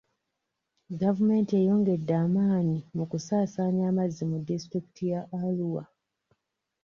Gavumenti eyongedde amaanyi mu kusaasaanya amazzi mu disitulikiti ya Arua.